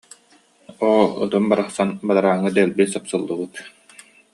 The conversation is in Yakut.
«Оо, ытым барахсан бадарааҥҥа дэлби сапсыллыбыт»